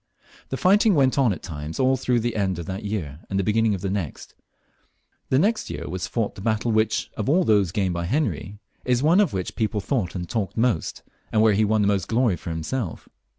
The fighting went on at times all through the end of that year and the beginning of the next. The next year was fought the battle which, of all those gained by Henry, is the one of which people thought and talked most, and where he won the most glory for himself.